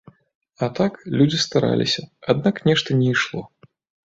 А так, людзі стараліся, аднак нешта не ішло.